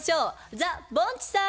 ザ・ぼんちさん！